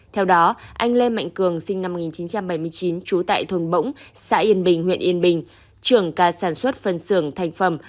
theo đó anh lê mạnh cường sinh năm một nghìn chín trăm bảy mươi chín trú tại thôn bỗng xã yên bình huyện yên bình trưởng ca sản xuất phân xưởng thành phẩm